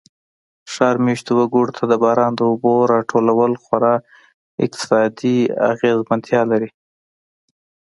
ښار مېشتو وګړو ته د باران د اوبو را ټول خورا اقتصادي اغېزمنتیا لري.